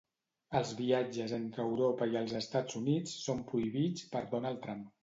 Els viatges entre Europa i els Estats Units són prohibits per Donald Trump.